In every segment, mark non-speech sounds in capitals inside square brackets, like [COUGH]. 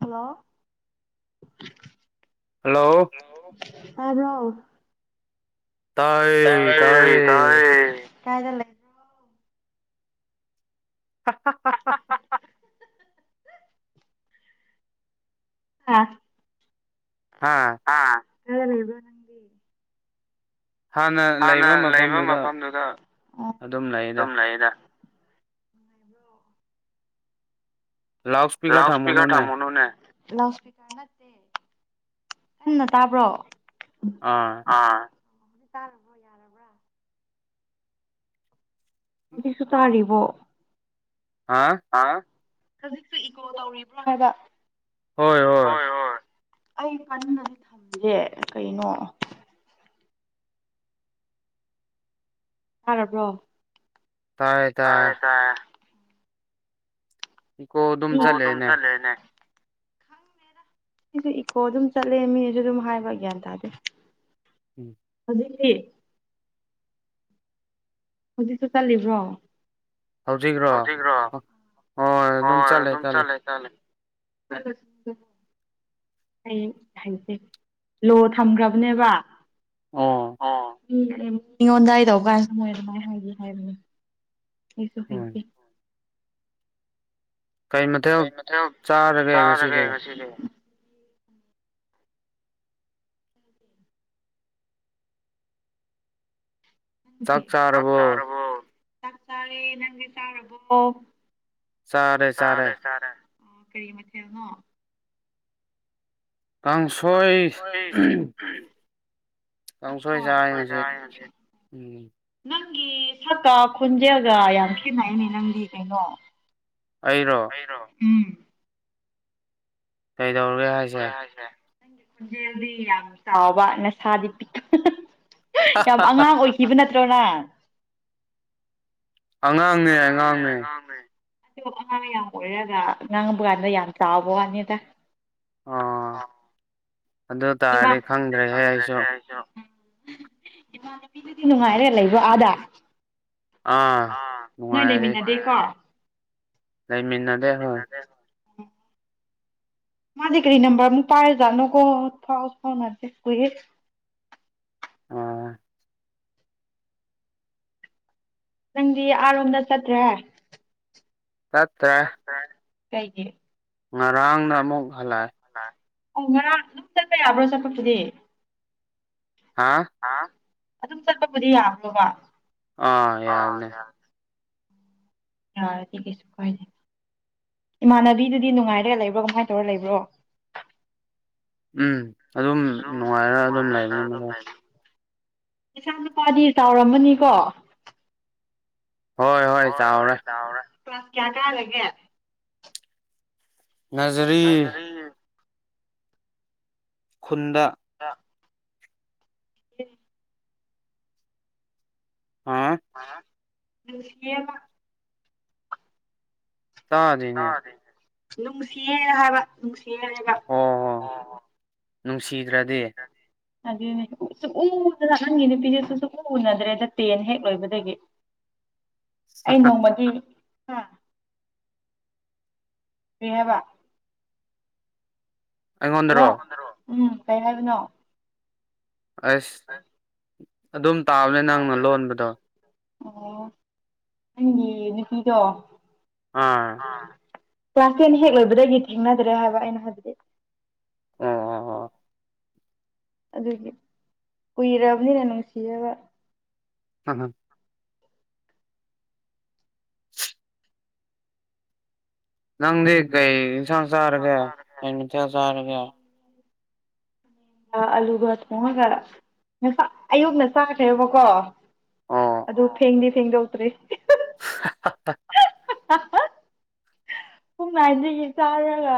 hello ꯇꯕ꯭ꯔꯣ ꯇꯌꯦ ꯇꯌꯦ ꯀꯥꯏꯗ ꯂꯩꯕꯔꯣ [UNINTELLIGIBLE] [INAUDIBLE] ꯍꯥꯥ [INAUDIBLE] [UNINTELLIGIBLE] ꯑꯥ [INAUDIBLE] [UNINTELLIGIBLE] ꯀꯏꯗ ꯂꯩꯕ꯭ꯔꯣ ꯅꯪꯗꯤ ꯍꯥꯟꯅ ꯂꯩꯕ ꯃꯐꯝꯗꯨꯗ ꯑꯗꯨꯝ ꯂꯩꯗ ꯂꯥꯎꯠ ꯏꯁꯄꯤꯀꯔ ꯊꯝꯃꯨꯅꯨꯅꯦ ꯂꯥꯎꯠ ꯏꯁꯄꯤꯀꯔ ꯅꯠꯇꯦ ꯀꯟꯅ ꯇꯥꯕ꯭ꯔꯣ ꯑꯥ ꯑꯣꯗꯤ ꯇꯥꯔꯕ꯭ꯔꯣ ꯌꯥꯔꯕ꯭ꯔꯥ ꯍꯧꯖꯤꯛꯁꯨ ꯇꯥꯔꯔꯤꯕ ꯑꯥ ꯍꯧꯖꯤꯛꯁꯨ ꯏꯀꯣ ꯇꯧꯔꯤꯕ꯭ꯔꯣ ꯍꯥꯏꯕ ꯍꯣꯏ ꯍꯣꯏ ꯑꯩ ꯀꯟꯅꯟꯅꯗꯤ ꯊꯝꯗꯦ ꯀꯩꯅꯣ ꯐꯔꯕ꯭ꯔꯣ ꯇꯥꯏꯌꯦ ꯇꯥꯏꯌꯦ ꯏꯀꯣ ꯑꯗꯨꯝ ꯆꯂꯦꯅꯦ ꯁꯤꯁꯨ ꯏꯀꯣ ꯑꯗꯨꯝ ꯆꯠꯂꯦ ꯃꯤꯅꯁꯨ ꯑꯗꯨꯝ ꯍꯥꯏꯕ ꯒ꯭ꯌꯥꯟ ꯇꯥꯗꯦ ꯎꯝ ꯑꯗꯨꯦ [INAUDIBLE] [UNINTELLIGIBLE] ꯍꯧꯖꯤꯛꯁꯨ ꯆꯠꯂꯤꯕ꯭ꯔꯣ ꯍꯧꯖꯤꯛ꯭ꯔꯣ ꯍꯣꯏ ꯑꯗꯨꯝ ꯆꯠꯂꯦ ꯆꯠꯂꯦ ꯍꯂ [INAUDIBLE] [UNINTELLIGIBLE] ꯑꯩ ꯍꯥꯏꯁꯦ ꯂꯣ ꯊꯝꯈ꯭ꯔꯕꯅꯦꯕ ꯑ ꯎꯝ ꯃꯤꯉꯣꯟꯗ ꯍꯥꯏꯗꯧ ꯀꯥꯟ ꯁ ꯃꯣꯏ ꯑꯗꯨꯃꯥꯏꯅ ꯍꯥꯏꯒꯦ ꯍꯥꯏꯕꯅꯤ ꯑꯩꯁꯨ ꯍꯩꯇ‌ꯦ ꯀꯔꯤ ꯃꯊ‌ꯦꯜ ꯆꯥꯔꯒꯦ ꯉꯁꯤꯗꯤ ꯆꯥꯛꯆꯔꯕꯣ ꯆꯥꯛ ꯆꯥꯔꯦ ꯅꯪꯗꯤ ꯆꯥꯔꯕꯣ ꯆꯔꯦ ꯆꯔꯦ ꯑ ꯀꯔꯤ ꯃꯊꯦꯜꯅꯣ ꯀꯥꯡꯁꯣꯏ ꯀꯥꯡꯪꯁꯣꯏ ꯆꯥꯏ ꯉꯥꯁꯤ ꯎꯝ ꯅꯪꯒꯤ ꯁꯛꯀ ꯈꯣꯟꯖ‌ꯦꯜꯒ ꯌꯥꯝ ꯈ‌ꯦꯠꯅꯩꯅꯦ ꯅꯪꯗꯤ ꯀꯩꯅꯣ ꯑꯩꯔꯣ [UNINTELLIGIBLE] ꯀꯩꯗꯧꯔꯒꯦ ꯍꯥꯏꯁꯦ ꯅꯪꯒꯤ ꯈꯣꯟꯖꯦꯜꯗꯤ ꯌꯥꯝ ꯆꯥꯎꯕ ꯅꯁꯥꯗꯤ ꯄꯤꯛꯇ꯭ꯔꯨ ꯌꯥꯝ ꯑꯉꯥꯡ ꯑꯣꯏꯈꯤꯕ ꯅꯠ ꯇ꯭ꯔ‌ꯣ ꯅꯪ ꯑꯉꯥꯡꯅꯦ ꯑꯉꯥꯡꯅꯦ ꯑꯣ ꯑꯉꯥꯡ ꯌꯥꯝ ꯑꯣꯏꯔꯒ ꯉꯥꯡꯕ ꯀꯥꯟꯗ ꯌꯥꯝ ꯆꯥꯎꯕ ꯋꯥꯅꯤꯗ ꯑ ꯑꯗꯨ ꯇꯔꯗꯤ ꯈꯪꯗ꯭ꯔꯦꯍꯦ ꯑꯩꯁꯨ ꯏꯃꯥꯅꯕꯤꯗꯨꯗꯤ ꯅꯨꯡꯉꯥꯏꯔꯦ ꯂꯩꯕ ꯑꯥꯗ ꯅꯣꯏ ꯂꯩꯃꯤꯟꯅꯗꯦꯀꯣ ꯂꯩꯃꯤꯟꯅꯗꯦ ꯍꯣꯏ ꯃꯥꯗꯤ ꯀꯔꯤ ꯅꯝꯕꯝꯕꯔ ꯑꯃꯨꯛ ꯄꯥꯏꯔꯖꯥꯅꯣꯀꯣ ꯐꯥꯎ ꯐꯥꯎꯅꯗ‌‌ꯦ ꯀꯨꯏꯔ‌ꯦ ꯑ ꯅꯪꯗꯤ ꯑꯥꯔꯣꯝꯗ ꯆꯠꯇ꯭ꯔꯦ ꯆꯠꯇ꯭ꯔ‌ꯦ ꯀꯩꯒꯤ ꯉꯔꯥꯡꯅ ꯑꯃꯨꯛ ꯍꯜꯂꯛꯑ‌ꯦ ꯑꯣ ꯉꯔꯥꯡ ꯑꯗꯨꯝ ꯆꯠꯄ ꯌꯥꯕ꯭ꯔꯣ ꯆꯠꯄꯁꯤꯗꯤ ꯍꯥ [UNINTELLIGIBLE] ꯑꯗꯨꯝ ꯆꯠꯄꯕꯨꯗꯤ ꯌꯥꯕ꯭ꯔꯣꯕ ꯑꯥ ꯌꯥꯕꯅꯦ ꯌꯥꯔꯗꯤ ꯀꯩꯁꯨ ꯀꯥꯏꯗꯩ ꯏꯃꯥꯟꯅꯕꯤꯗꯨꯗꯤ ꯅꯨꯡꯉꯥꯏꯔꯑꯦ ꯂꯩꯕ꯭ꯔꯣ ꯀꯃꯥꯏꯅ ꯇꯧꯔ ꯂꯩꯕ꯭ꯔꯣ ꯎꯝ ꯑꯗꯨꯝ ꯅꯨꯡꯉꯥꯏꯔ ꯑꯗꯨꯝ ꯂꯩꯕꯅꯤ ꯃꯗꯣ ꯏꯆꯥ ꯅꯨꯄꯥꯗꯤ ꯆꯥꯎꯔꯝꯃꯅꯤꯀꯣ ꯍꯣꯏ ꯍꯣꯏ ꯆꯥꯎꯔꯦ ꯀ꯭ꯂꯥꯁ ꯀꯌꯥ ꯀꯌꯥꯔꯒꯦ ꯅꯖꯔꯤ ꯈꯨꯟꯗ [INAUDIBLE] ꯑ ꯅꯨꯡꯁꯤꯑꯦꯕꯥ ꯇꯥꯗꯦꯅꯦ ꯅꯨꯡꯁꯤꯌꯦ ꯍꯥꯏꯕ ꯅꯨꯡꯁꯤ ꯑ [UNINTELLIGIBLE] ꯅꯨꯡꯁꯤ ꯇ꯭ꯔꯗꯤ ꯑꯗꯨꯅꯦ ꯑꯩ ꯅꯣꯡꯃꯗꯤ ꯑꯥ ꯀꯔꯤ ꯍꯥꯏꯕ ꯑꯩꯉꯣꯟꯗꯔꯣ ꯎꯝ ꯀꯩ ꯍꯥꯏꯕꯅꯣ ꯑꯁ ꯑꯗꯨꯝ ꯇꯥꯕꯅꯦ ꯅꯪꯅ ꯂꯣꯟꯕꯗꯣ ꯑꯣ ꯅꯪꯒꯤ ꯅꯨꯄꯤꯗꯣ ꯑꯥ ꯀ꯭ꯂꯥꯁ ꯇꯦꯟ ꯍꯦꯛ ꯂꯣꯏꯕꯗꯒꯤ ꯊꯦꯡꯅꯗ꯭ꯔꯦ ꯍꯥꯏꯕ ꯑꯩꯅ ꯍꯥꯏꯕꯗꯤ ꯎꯝ ꯑ ꯑ ꯑꯗꯨꯒꯤ ꯀꯨꯏꯔꯕꯅꯤꯅ ꯅꯨꯡꯁꯤꯑꯦꯕ ꯍ ꯍ ꯅꯪꯗꯤ ꯀꯩ ꯑꯦꯟꯁꯥꯥꯡ ꯆꯥꯔꯒꯑꯦ ꯀꯩ ꯃꯊꯦꯜ ꯆꯔꯒꯦ ꯑꯂꯨꯒ ꯊꯣꯡꯉꯒ ꯑꯌꯨꯛꯅ ꯆꯥꯈ꯭ꯔꯦꯕꯀꯣ ꯑꯗꯨ ꯐꯦꯡꯗꯤ ꯐꯦꯡꯗꯣꯛꯇ꯭ꯔꯤ ꯍꯥꯍꯥꯍꯥꯍꯥ ꯄꯨꯛꯅꯥꯏꯗꯨꯒꯤ ꯆꯥꯔꯒ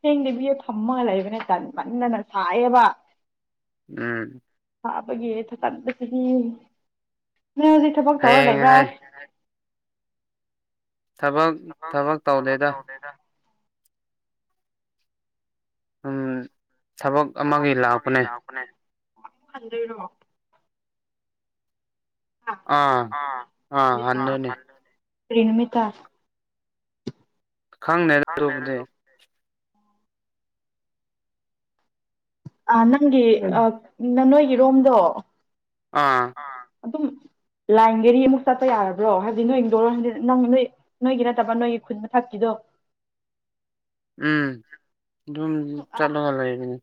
ꯐꯦꯡꯗꯕꯤꯗ ꯐꯝꯃꯒ ꯂꯩꯕꯅꯦ ꯇꯟꯃꯟꯗꯅ ꯁꯥꯏꯌꯦꯕ ꯁꯕꯒꯤ ꯄꯥꯟꯗꯁꯤꯒꯤ ꯅꯣꯏ ꯍꯧꯖꯤꯛ ꯊꯕꯛ ꯇꯧꯔ ꯂꯩꯕ꯭ꯔꯥ ꯊꯕꯛ ꯊꯕꯛ ꯇꯧꯗꯦꯗ ꯎꯝ ꯊꯕꯛ ꯑꯃꯒꯤ ꯂꯥꯛꯄꯅꯦ ꯑꯃꯨꯛ ꯍꯟꯗꯣꯏꯔꯣ ꯑꯥ ꯑꯥ ꯍꯟꯗꯣꯏꯅꯦ ꯀꯔꯤ ꯅꯨꯃꯤꯠꯇꯥ ꯈꯪꯗꯦꯗ ꯑꯗꯨꯕꯨꯗꯤ ꯑ ꯅꯪꯒꯤ ꯑ ꯅ ꯅꯣꯏ ꯏꯔꯣꯝꯗꯣ ꯑꯥ ꯑꯗꯨꯝ ꯂꯥꯏꯟ ꯒꯥꯔꯤ ꯑꯃꯨꯛ ꯆꯠꯄ ꯌꯥꯔꯕ꯭ꯔꯣ ꯍꯥꯏꯕꯗꯤ ꯅꯣꯏꯒꯤꯗꯣꯔꯣꯝꯗꯤ ꯅꯪ ꯅꯣꯏ ꯅꯣꯏꯒꯤ ꯅꯠꯇꯕ ꯅꯣꯏꯒꯤ ꯈꯨꯟ ꯃꯊꯛꯀꯤꯗꯣ ꯎꯝ ꯑꯗꯨꯝ ꯆꯠꯂꯒ ꯂꯩꯕꯅꯦ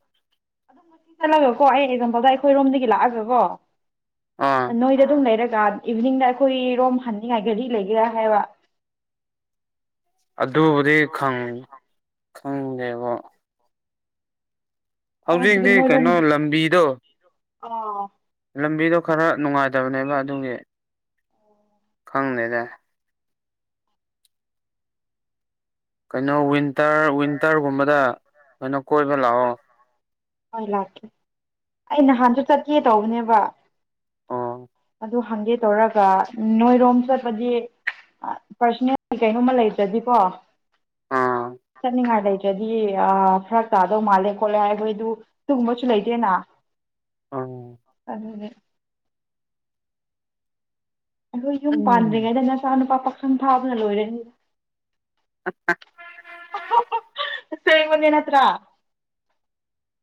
ꯑꯗꯨꯝ ꯃꯛꯇꯤ ꯆꯠꯂꯒꯀꯣ ꯑꯩ ꯑꯦꯛꯖꯥꯝꯄꯜꯗ ꯑꯩꯈꯣꯏꯔꯣꯝꯗꯒꯤ ꯂꯥꯛꯑꯒ ꯀꯣ ꯅꯣꯏꯗ ꯑꯗꯨꯝ ꯂꯩꯔ ꯒ ꯏꯚꯤꯅꯤꯡꯗ ꯑꯩꯈꯣꯏꯔꯣꯝ ꯍꯟꯅꯤꯡꯉꯥꯏ ꯒꯥꯔꯤ ꯂꯩꯒꯦꯔꯥ ꯍꯥꯏꯕ ꯑꯗꯨꯕꯨꯗꯤ ꯈꯪ ꯈꯪꯗꯦꯕꯣ ꯍꯧꯖꯤꯛꯇꯤ ꯀꯩꯅꯣ ꯂꯝꯕꯤꯗꯣ ꯑꯥꯎ ꯂꯝꯕꯤꯗꯣ ꯈꯔ ꯅꯨꯡꯉꯥꯏꯇꯕꯅꯦꯕ ꯑꯗꯨꯒꯤ ꯈꯪꯗꯦꯗ ꯀꯩꯅꯣ ꯋꯤꯟꯇꯔ ꯋꯤꯟꯇꯔꯒꯨꯝꯕꯗ ꯀꯩꯅꯣ ꯀꯣꯏꯕ ꯂꯥꯛꯑꯣ ꯍꯣꯏ ꯂꯥꯛꯀꯦ ꯑꯩ ꯅꯍꯥꯟꯁꯨ ꯆꯠꯀꯦ ꯇꯧꯕꯅꯦꯕ ꯑꯣ ꯑꯗꯨ ꯍꯪꯒꯦ ꯇꯧꯔꯒ ꯅꯣꯏꯔꯣꯝ ꯆꯠꯄꯗꯤ ꯑ ꯄꯔꯁꯣꯅꯦꯜꯂꯤ ꯀꯩꯅꯣꯝꯃ ꯂꯩꯇ꯭ꯔꯗꯤꯀꯣ ꯑꯥ ꯆꯠꯅꯤꯡꯉꯥꯏ ꯂꯩꯇ꯭ꯔꯗꯤ ꯑ ꯐꯔꯛ ꯇꯥꯗꯧ ꯃꯥꯜꯂꯦ ꯈꯣꯠꯂꯦ ꯍꯥꯏꯕ ꯑꯗꯨ ꯑꯗꯨꯒꯨꯝꯕꯁꯨ ꯂꯩꯇꯦꯅ ꯑꯗꯨꯗꯤ ꯑꯗꯣ ꯌꯨꯝ ꯄꯥꯟꯗ꯭ꯔꯤꯉꯩꯗ ꯅꯆꯥ ꯅꯨꯄꯥ ꯄꯥꯈꯪ ꯊꯥꯕꯅ ꯂꯣꯏꯔꯦꯅꯤ [UNINTELLIGIBLE] ꯑꯣ ꯍꯣ ꯍꯣ ꯑꯁꯦꯡꯕꯅꯦ ꯅꯠꯇ꯭ꯔꯥ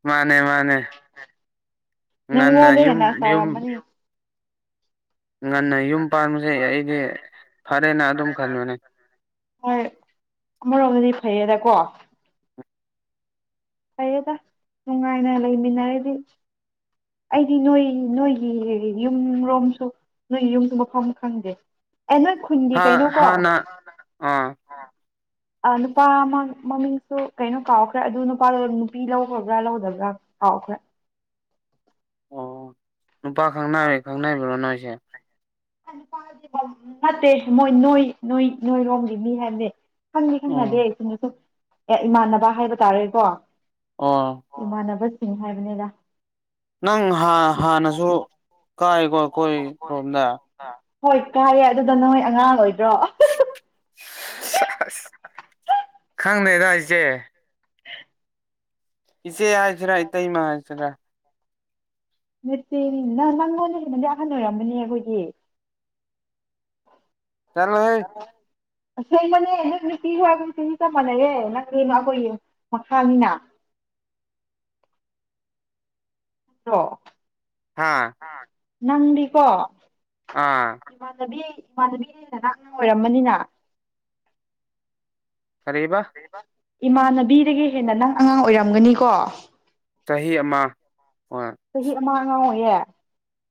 ꯃꯥꯅꯦ ꯃꯥꯅꯦ ꯉꯟꯅ ꯌꯨꯝ ꯌꯨꯝ ꯍꯣꯏ ꯑꯃꯔꯣꯗꯤ ꯐꯩꯌꯦꯗ ꯀꯣ ꯐꯔꯌꯦꯦꯗ ꯅꯨꯡꯉꯥꯏꯅ ꯂꯩꯃꯤꯟꯅꯔꯗꯤ ꯑꯩꯗꯤ ꯅꯣꯏ ꯅꯣꯏꯒꯤ ꯌꯨꯝꯔꯣꯝꯁꯨ ꯅꯣꯏꯒꯤ ꯌꯨꯝꯒꯤ ꯃꯐꯝ ꯈꯪꯗꯦ ꯑꯦ ꯅꯣꯏ ꯈꯨꯟꯒꯤ ꯀꯩꯅꯣꯀꯣ ꯅꯨꯄꯥ ꯃꯃꯤꯡꯁꯨ ꯀꯩꯅꯣ ꯀꯥꯎꯈ꯭ꯔꯦ ꯑꯗꯨ ꯅꯨꯄꯥ ꯅꯨꯄꯤ ꯂꯧꯈ꯭ꯔꯕ꯭ꯔꯥ ꯂꯧꯗꯕ꯭ꯔꯥ ꯍꯥꯎꯈ꯭ꯔꯦ ꯅꯨꯄꯥ ꯈꯪꯅ ꯈꯪꯅꯕ꯭ꯔꯣ ꯅꯣꯏꯁꯦ ꯄꯥꯗꯤ ꯅꯠꯇꯦ ꯃꯣꯏ ꯅꯣꯏ ꯅꯣꯏ ꯅꯣꯏꯔꯣꯝꯒꯤ ꯃꯤ ꯍꯥꯏꯅꯤ ꯈꯪꯅꯤ ꯈꯥꯟꯗꯤꯁꯤꯅꯁꯨ ꯑꯦ ꯏꯃꯥꯟꯅꯕ ꯍꯥꯏꯕ ꯇꯥꯔꯦꯀꯣ ꯏꯃꯅꯅꯕꯠ ꯁꯤꯅꯤ ꯍꯥꯏꯕꯅꯦꯗ ꯅꯪ ꯍꯥꯟꯅꯁꯨ ꯀꯥꯏꯣ ꯀꯣꯏ ꯍꯣꯗ ꯍꯣꯏ ꯀꯥꯏꯔꯦ ꯑꯗꯨꯗ ꯅꯣꯏ ꯑꯉꯥꯡ ꯑꯣꯏꯗ꯭ꯔꯣ ꯁ ꯈꯪꯗꯩꯗ ꯑꯩꯁꯦ ꯏꯆꯦ ꯍꯥꯏ ꯔꯥꯏ ꯏ ꯃꯥꯖꯔꯒ ꯅꯠꯇꯦ ꯅꯪ ꯅꯪꯉꯣꯟꯗꯃꯗꯤ ꯑꯍꯟ ꯑꯣꯏꯔꯝꯕꯅꯦ ꯑꯩꯈꯣꯏꯒꯤ ꯆꯂꯣ ꯍ ꯑꯁꯦꯡꯃꯅꯦ ꯅꯪ ꯅꯨꯡꯇꯤ ꯍꯔꯒ ꯅꯨꯡꯇꯤꯅꯤ ꯆꯞ ꯃꯥꯟꯅꯩꯌꯦꯦ ꯅꯪꯅꯦꯅ ꯑꯩꯈꯣꯏꯒꯤ ꯃꯈꯥꯅꯤꯅ ꯑ ꯑꯥ ꯅꯪꯗꯤꯀꯣ ꯏꯃꯥꯟꯅꯕꯤ ꯏꯃꯥꯟꯅꯕꯤꯅꯅꯅꯥꯥꯛꯅ ꯑꯣꯏꯔꯝꯃꯅꯤꯅ ꯀꯔꯤꯕ ꯏꯃꯥꯟꯅꯕꯤꯗꯒꯤ ꯍꯦꯟꯅ ꯅꯪ ꯑꯉꯥꯡ ꯑꯣꯏꯔꯝꯒꯅꯤꯀꯣ ꯆꯍꯤ ꯑꯃ ꯆꯍꯤ ꯃꯥꯉ ꯀ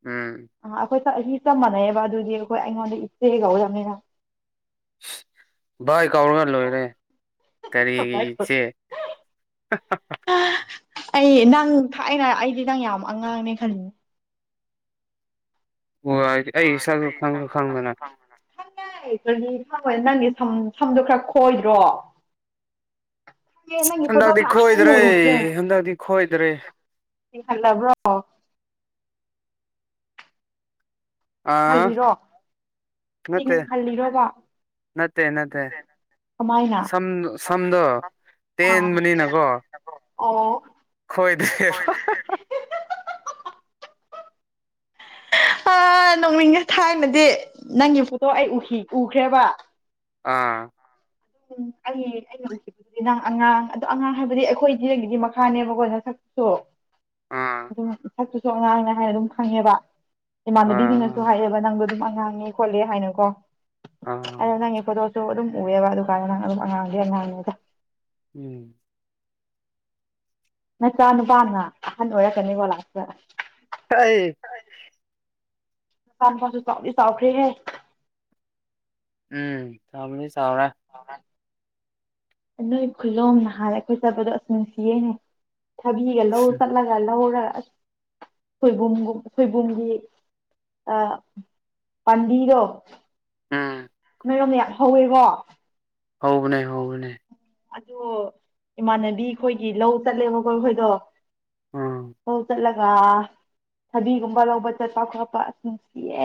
ꯎꯝ ꯁꯤ ꯆꯞ ꯃꯥꯟꯅꯩꯕ ꯑꯗꯨꯗꯤ ꯑꯩꯈꯣꯏ ꯑꯩꯉꯣꯟꯗ ꯏꯆꯦꯒꯧꯔꯅꯤꯅ ꯚꯏ ꯀꯧꯔꯒ ꯂꯣꯏꯔꯦ ꯀꯔꯤꯒꯤ ꯏꯠꯁꯦ ꯑꯩ ꯅꯪ ꯊꯥꯛꯅ ꯑꯩꯗꯤ ꯅꯪ ꯌꯥꯝ ꯑꯉꯥꯡꯅꯦ ꯈꯜꯂꯤꯅꯦ ꯑꯣꯗꯤ ꯑꯩ ꯏꯁ ꯈꯪ ꯈꯪꯗꯅ ꯈꯪꯉ‌ꯦ ꯀꯒꯤ ꯈꯪꯉꯣꯏ ꯅꯪꯒꯤ ꯁꯝ ꯁꯝꯗꯣ ꯈꯔ ꯈꯣꯏꯗ꯭ꯔꯣ ꯍꯟꯗꯛꯗꯤ ꯈꯣꯏꯗ꯭ꯔꯦ ꯍꯟꯗꯛꯗꯤ ꯈꯣꯏꯗ꯭ꯔꯦ ꯌꯦ ꯍꯜꯂꯕ꯭ꯔꯣ ꯑ ꯅꯠꯇꯦ ꯅꯠꯇꯦ ꯅꯠꯇꯦ ꯁꯝ ꯁꯝꯗꯣ ꯇꯦꯟꯕꯅꯤꯅꯀꯣ ꯈꯣꯏꯗꯦꯕ ꯅꯣꯡꯃꯤꯒ ꯊꯥꯡꯅꯗꯤ ꯅꯪꯒꯤ ꯄꯣꯇꯣ ꯑꯩ ꯎꯈ꯭ꯔꯦꯕ ꯑꯥ ꯑꯗꯨꯝ ꯑꯩ ꯑꯩꯅ ꯎꯈꯤꯕꯗꯨꯗꯤ ꯅꯪ ꯑꯉꯥꯡ ꯑꯗꯣ ꯑꯉꯥꯡ ꯍꯥꯏꯕꯗꯤ ꯑꯩꯈꯣꯏꯗꯤꯗꯒꯤꯗꯤ ꯃꯈꯥꯅꯦꯕꯀꯣ ꯅꯁꯛꯁꯨ ꯑꯗꯨꯅ ꯁꯛꯇꯁꯨ ꯑꯉꯥꯡꯅꯦ ꯍꯥꯏꯅ ꯑꯗꯨꯝ ꯈꯪꯉꯦꯕ ꯏꯃꯥꯟꯅꯕꯤꯁꯤꯡꯅꯁꯨ ꯍꯥꯏꯑꯦꯕ ꯅꯪꯗꯣ ꯑꯗꯨꯃꯥꯏꯅ ꯉꯥꯡꯉꯤ ꯈꯣꯠꯂꯤ ꯍꯥꯏꯅꯀꯣ ꯑꯗ‌ꯣ ꯅꯪꯒꯤ ꯐ‌ꯣꯇ‌ꯣꯁꯨ ꯑꯗꯨꯝ ꯎꯏꯌ‌ꯦꯕ ꯑꯗꯨ ꯅꯪ ꯑꯗꯨꯝ ꯑꯉꯥꯡꯒꯤ ꯑꯉꯥꯡꯅꯦꯗ ꯎꯝ ꯅꯆꯥ ꯅꯨꯄꯥꯅ ꯑꯍꯟ ꯑꯣꯏꯔꯛꯀꯅꯤꯀꯣ ꯂꯥꯛꯇ ꯑꯩ ꯃꯆꯥꯥ ꯃꯆꯥꯁꯨ ꯆꯥꯎꯗꯤ ꯆꯥꯎꯈ꯭ꯔꯦꯍꯦ ꯎꯝ ꯊꯅꯤ ꯆꯥꯎꯅꯥ ꯅꯣꯏ ꯈꯨꯂꯣꯝ ꯅꯍꯥꯟꯂꯦ ꯑꯩꯈꯣꯏ ꯆꯠꯄꯗꯣ ꯑꯁ ꯅꯨꯡꯁꯤꯌꯦꯅꯦ ꯊꯕꯤꯒ ꯂꯧ ꯆꯠꯂꯒ ꯂꯧꯔꯒ ꯑ ꯁꯣꯏꯕꯨꯝꯒꯨꯝ ꯁꯣꯏꯕꯨꯝꯒꯤ ꯑ ꯄꯥꯝꯕꯤꯗꯣ ꯎꯝ ꯣ ꯌꯥꯝ ꯍꯧꯋꯦꯀꯣ ꯍꯧꯕꯅꯦ ꯍꯧꯕꯅꯦ ꯑꯗꯣ ꯏꯃꯥꯟꯅꯕꯤ ꯑꯩꯈꯣꯏꯒꯤ ꯂꯧ ꯆꯠꯂꯦꯕꯀꯣ ꯑꯩꯈꯣꯏꯗꯣ ꯍ‌ꯣ ꯆꯠꯂ ꯑ ꯊꯕꯤꯒꯨꯝꯕ ꯂꯧꯕ ꯆꯠꯄ ꯈꯣꯠꯄ ꯑꯁꯤ ꯅꯨꯡꯁꯤꯌꯦ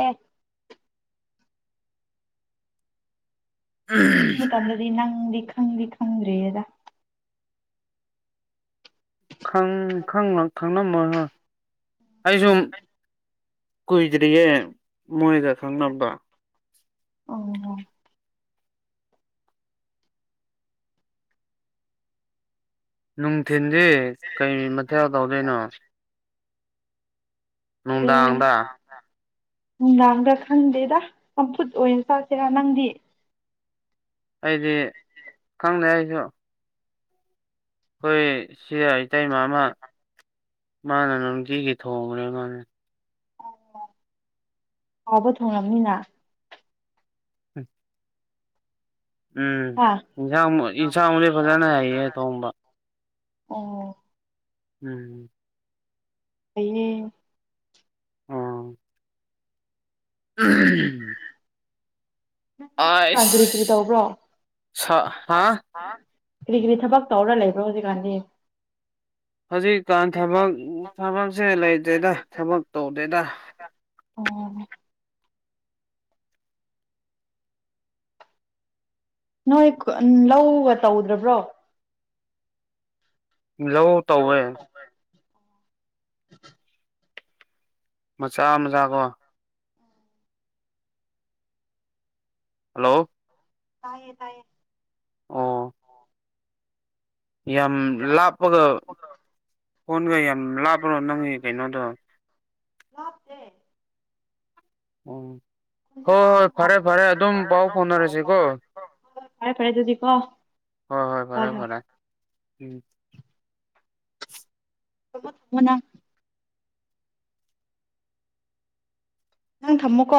ꯎ [INAUDIBLE] ꯑꯗꯨ ꯃꯇꯝꯗꯗꯤ ꯅꯪꯗꯤ ꯈꯪꯗꯤ ꯈꯪꯗ꯭ꯔꯤꯗ ꯈꯪ ꯈꯪ ꯈꯪꯅꯝꯃꯔ‌ꯣꯏ ꯑꯩꯁꯨꯝ ꯀꯨꯏꯗ꯭ꯔꯤꯌꯦ ꯃꯣꯏꯗ ꯈꯪꯅꯕ ꯑ ꯍ ꯅꯨꯡꯊꯤꯟ ꯁꯤ ꯀꯩ ꯃꯊꯊꯧ ꯇꯧꯗꯣꯏꯅꯣ ꯎꯝ ꯅꯨꯡꯗꯥꯡꯒ ꯈꯪꯗꯦꯗ ꯆꯝꯐꯨꯠ ꯑꯣꯏꯅ ꯆꯠꯁꯤꯔꯥ ꯅꯪꯗꯤ ꯑꯩꯗꯤ ꯈꯪꯗꯦ ꯑꯩꯁꯨ ꯑꯩꯈꯣꯏ ꯁꯤ ꯏꯇꯩꯃꯥ ꯑꯃ ꯃꯥꯅ ꯅꯨꯡꯇꯤꯒꯤ ꯊꯣꯡꯕꯅꯤ ꯃ ꯑꯍꯥꯎꯕꯥ ꯊꯣꯡꯉꯥꯅꯤꯅ [INAUDIBLE] ꯎꯝ ꯏꯟꯁꯥꯡ ꯏꯟꯁꯥꯡꯕꯨꯗꯤ ꯐꯖꯅ ꯍꯩꯌꯦ ꯊꯣꯡꯕ ꯑꯣ ꯎꯝ ꯑꯩꯅꯦ ꯎꯝ [UNINTELLIGIBLE] ꯑꯥ ꯏꯁ ꯍꯥ ꯀꯔꯤ ꯀꯔꯤ ꯊꯕꯛ ꯇꯧꯔ ꯂꯩꯕ꯭ꯔꯣ ꯍꯧꯖꯤꯛꯀꯥꯟꯗꯤ ꯍꯧꯖꯤꯛꯀꯥꯟ ꯊꯕꯛ ꯊꯕꯛꯁꯦ ꯂꯩꯇꯦꯗ ꯊꯕꯛ ꯇꯧꯗꯦꯗ ꯑꯣ ꯅꯣꯏ ꯀꯨꯟ ꯂꯧꯒ ꯇꯧꯗꯕ꯭ꯔꯣ ꯂꯧ ꯇꯧꯋꯦ [INAUDIBLE] ꯃꯆꯥ ꯃꯆꯥ ꯀꯣ ꯍꯜꯂꯣ ꯇꯥꯏꯌꯦ ꯇꯥꯏꯌꯦ ꯑꯣ ꯌꯥꯝ ꯂꯥꯞꯄꯒ ꯍꯣꯟꯒꯦ ꯌꯥꯝ ꯂꯥꯞꯄꯒ ꯅꯪꯒꯤ ꯀꯩꯅꯣꯗꯣ ꯂꯞꯇꯦ ꯎꯝ ꯍꯣꯏ ꯍꯣꯏ ꯐꯔꯦ ꯐꯔꯦ ꯑꯗꯨꯝ ꯄꯥꯎ ꯐꯥꯎꯅꯔꯁꯤꯀꯣ ꯐꯔꯦ ꯐꯔꯦ ꯑꯗꯨꯗꯤꯀꯣ ꯍꯣꯏ ꯍꯣꯏ ꯐꯔꯦ ꯐꯔꯦ ꯎꯝ [UNINTELLIGIBLE] ꯅꯪ ꯊꯝꯃꯣꯀꯣ